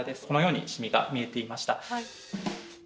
このようにシミが見えていました。